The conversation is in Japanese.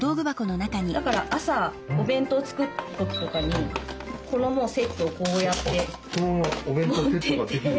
だから朝お弁当作る時とかにこのセットをこうやって持ってって。